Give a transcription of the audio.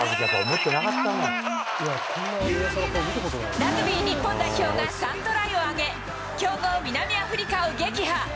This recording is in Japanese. ラグビー日本代表が３トライを挙げ、強豪、南アフリカを撃破。